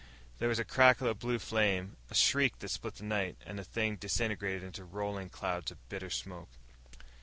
There was a crackle of blue flame, a shriek that split the night, and the thing disintegrated in roiling clouds of bitter smoke.